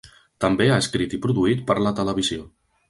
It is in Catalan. També ha escrit i produït per la televisió.